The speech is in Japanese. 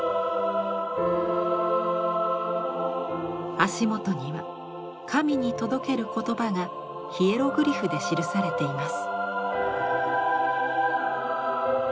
足元には神に届ける言葉がヒエログリフで記されています。